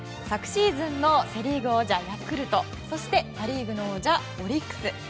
昨シーズンのセ・リーグ王者ヤクルトそしてパ・リーグの王者オリックス。